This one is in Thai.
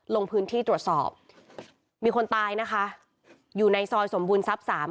ลงพื้นที่ตรวจสอบมีคนตายนะคะอยู่ในซอยสมบูรณทรัพย์สาม